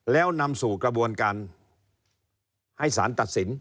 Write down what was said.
แล้วนำสู่กระบวนการให้สารตัดสิน